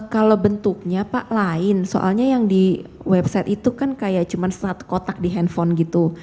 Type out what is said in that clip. kalau bentuknya pak lain soalnya yang di website itu kan kayak cuma kotak di handphone gitu